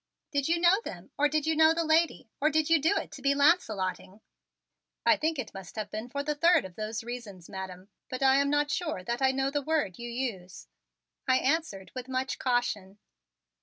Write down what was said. Did you know them or did you know the lady or did you do it to be launcelotting?" "I think it must have been for the third of those reasons, Madam, but I am not sure that I know the word you use," I answered with much caution.